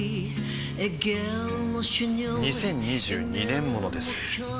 ２０２２年モノです